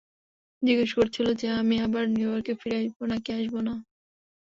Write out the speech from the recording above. জিজ্ঞেস করছিল যে আমি আবার নিউইয়র্কে ফিরে আসবো নাকি আসবো না।